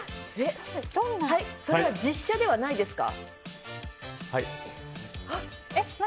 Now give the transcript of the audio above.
それは実写ではないですか？